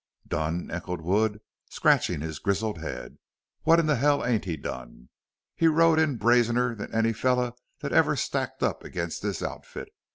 "Done?" echoed Wood, scratching his grizzled head. "What in the hell ain't he done?... He rode in brazener than any feller thet ever stacked up against this outfit.